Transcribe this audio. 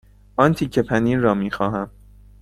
آن تکه پنیر را می خواهم.